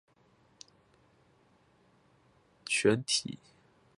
洒尔佛散的作用靶标是梅毒螺旋体。